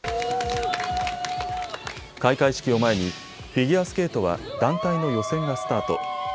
開会式を前にフィギュアスケートは団体の予選がスタート。